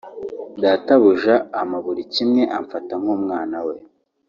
Databuja ampa buri kimwe amfata nk’umwana we